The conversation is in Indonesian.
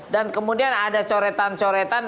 dan kemudian ada coretan coretan